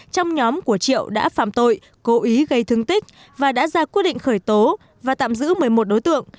trong nhóm của triệu đã phạm tội cố ý gây thương tích và đã ra quyết định khởi tố và tạm giữ một mươi một đối tượng